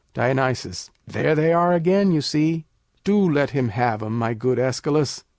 Dion. There they are again, you see. Do let him have 'em, my good Æschylus.